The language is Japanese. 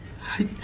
はい。